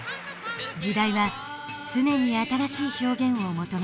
時代は常に新しい表現を求める。